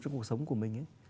trong cuộc sống của mình